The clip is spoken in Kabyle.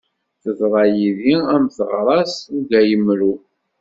Teḍṛa yid-i, am teɣṛast ugayemru.